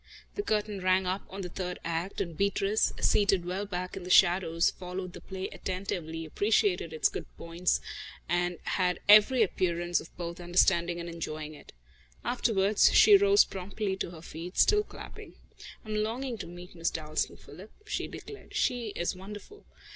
The curtain rang up on the third act, and Beatrice, seated well back in the shadows, followed the play attentively, appreciated its good points and had every appearance of both understanding and enjoying it. Afterwards, she rose promptly to her feet, still clapping. "I'm longing to meet Miss Dalstan, Philip," she declared. "She is wonderful.